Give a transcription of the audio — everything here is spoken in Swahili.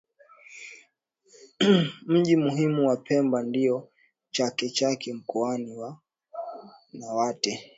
Miji muhimu ya Pemba ndiyo Chake Chake Mkoani na Wete